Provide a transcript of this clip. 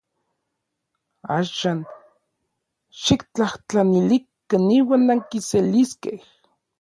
Axan xiktlajtlanilikan iuan ankiseliskej.